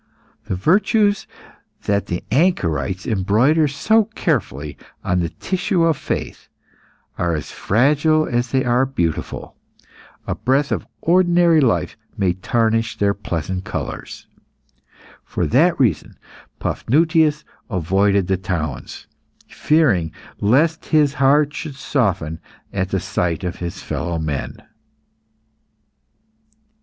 The virtues that the anchorites embroider so carefully on the tissue of faith, are as fragile as they are beautiful; a breath of ordinary life may tarnish their pleasant colours. For that reason, Paphnutius avoided the towns, fearing lest his heart should soften at the sight of his fellow men.